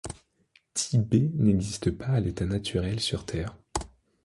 TiB n'existe pas à l'état naturel sur Terre.